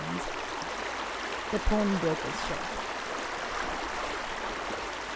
THE PAWNBROKER'S SHOP.